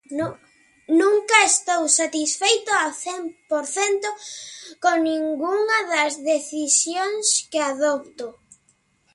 Nunca estou satisfeito ao cen por cento con ningunha das decisións que adopto.